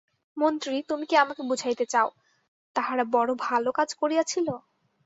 মন্ত্রী, তুমি কি আমাকে বুঝাইতে চাও, তাহারা বড়ো ভালো কাজ করিয়াছিল?